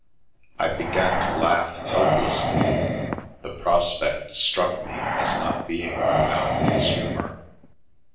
I began to laugh, helplessly. The prospect struck me as not being without its humour.